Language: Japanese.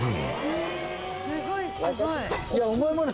すごいすごい。